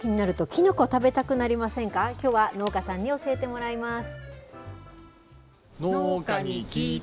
きょうは農家さんに教えてもらいます。